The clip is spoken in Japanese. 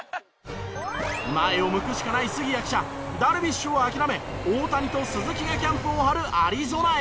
前を向くしかない杉谷記者ダルビッシュを諦め大谷と鈴木がキャンプを張るアリゾナへ。